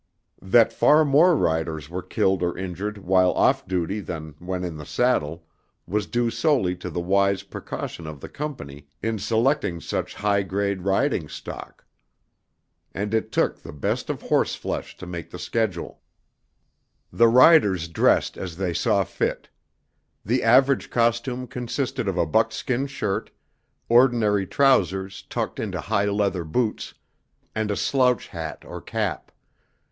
That far more riders were killed or injured while off duty than when in the saddle was due solely to the wise precaution of the Company in selecting such high grade riding stock. And it took the best of horseflesh to make the schedule. The riders dressed as they saw fit. The average costume consisted of a buckskin shirt, ordinary trousers tucked into high leather boots, and a slouch hat or cap.